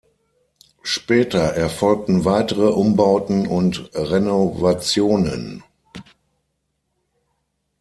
Später erfolgten weitere Umbauten und Renovationen.